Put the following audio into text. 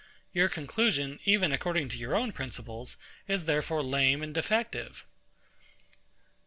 Your conclusion, even according to your own principles, is therefore lame and defective.